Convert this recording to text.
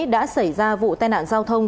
đã xảy ra vụ tai nạn giao thông